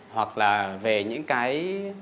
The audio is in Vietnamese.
hoặc là về những cái